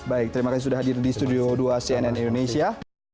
baik terima kasih sudah hadir di studio dua cnn indonesia